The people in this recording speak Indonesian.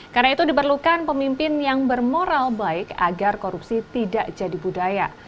karena itu diperlukan pemimpin yang bermoral baik agar korupsi tidak jadi budaya